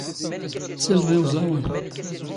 ⵜⵜⵙⵍⵍⵖ ⵉ ⵓⵥⴰⵡⴰⵏ.